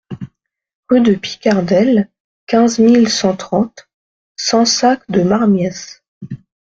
Rue de Picardel, quinze mille cent trente Sansac-de-Marmiesse